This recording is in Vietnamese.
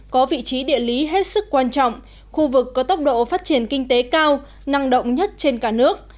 có vị trí địa lý hết sức quan trọng khu vực có tốc độ phát triển kinh tế cao năng động nhất trên cả nước